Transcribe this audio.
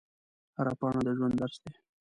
هره پاڼه د ژوند درس دی